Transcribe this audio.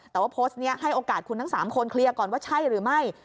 แต่ว่าโพสต์นี้ให้โอกาสคุณทั้ง๓คนเคลียร์ก่อนว่าใช่หรือไม่